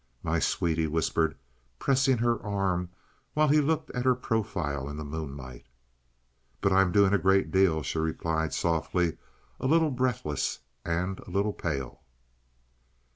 "My sweet," he whispered, pressing her arm, while he looked at her profile in the moonlight. "But I'm doing a great deal," she replied, softly, a little breathless and a little pale.